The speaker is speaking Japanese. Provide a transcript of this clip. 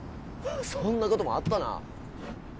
そんなこともあったな